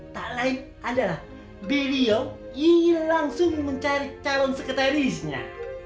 tak lain adalah beliau ini langsung mencari calon sekretarisnya